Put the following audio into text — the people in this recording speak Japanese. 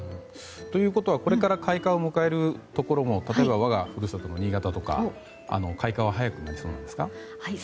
ということはこれから開花を迎えるところも例えば、我がふるさとの新潟とか開花は早くなりそうなんですか。